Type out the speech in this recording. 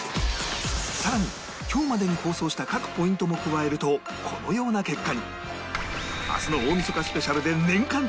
さらに今日までに放送した各ポイントも加えるとこのような結果に